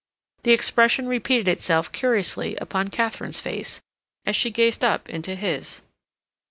The expression repeated itself curiously upon Katharine's face as she gazed up into his.